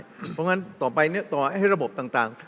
เพราะงั้นต่อไปต่อให้ระบบต่าง